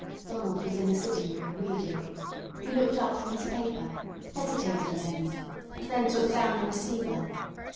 Donald was in the sitting room reading. He looked up from his paper, hesitated a moment, and then took down the receiver.